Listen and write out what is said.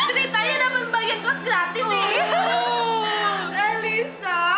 ya nih patung gua harus kebersiap ye ye ye ye